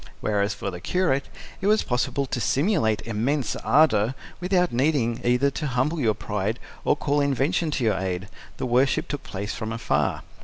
Whereas for the curate it was possible to simulate immense ardour, without needing either to humble your pride or call invention to your aid: the worship took place from afar.